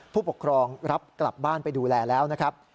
ผู้ปกครองรับกลับบ้านไปดูแลแล้วนะครับ